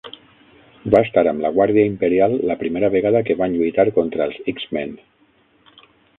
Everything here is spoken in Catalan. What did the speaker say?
Va estar amb la Guàrdia Imperial la primera vegada que van lluitar contra els X-Men.